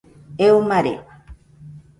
Eo mare